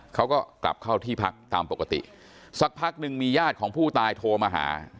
เขาก็กลับเข้าที่พักตามปกติสักพักหนึ่งมีญาติของผู้ตายโทรมาหา